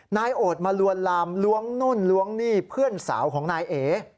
นายโอดมาลวนลามล้วงนู่นล้วงหนี้เพื่อนสาวของนายเอ